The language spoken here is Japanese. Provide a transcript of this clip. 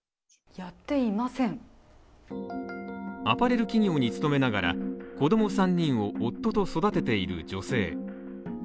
アパレル企業に勤めながら子供３人を夫と育てている女性。